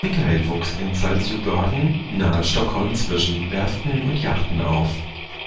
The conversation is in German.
Mikael wuchs in Saltsjöbaden nahe Stockholm zwischen Werften und Yachten auf.